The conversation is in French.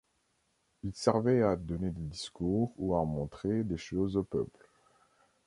Ils servaient à donner des discours ou à montrer des choses au peuple.